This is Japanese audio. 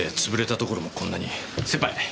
先輩。